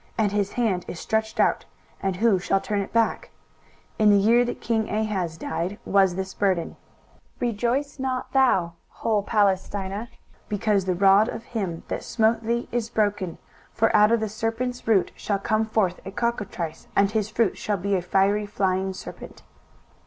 and his hand is stretched out, and who shall turn it back? 23:014:028 In the year that king Ahaz died was this burden. 23:014:029 Rejoice not thou, whole Palestina, because the rod of him that smote thee is broken: for out of the serpent's root shall come forth a cockatrice, and his fruit shall be a fiery flying serpent.